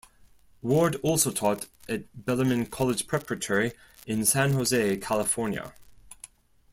Ward also taught at Bellarmine College Preparatory in San Jose, California.